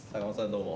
どうも。